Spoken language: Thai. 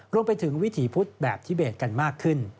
รวมไปถึงวิถีพุทธแบบทิเบสกันมากขึ้น